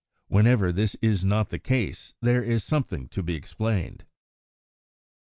Whenever this is not the case there is something to be explained. 125.